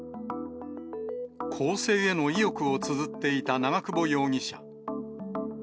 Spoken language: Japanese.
更生への意欲をつづっていた長久保容疑者。